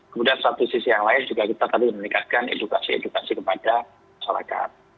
kemudian satu sisi yang lain juga kita tadi meningkatkan edukasi edukasi kepada masyarakat